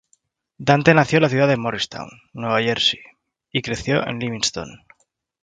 Dante nació en la ciudad de Morristown, Nueva Jersey, y creció en Livingston.